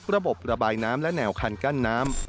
ระบบระบายน้ำและแนวคันกั้นน้ำ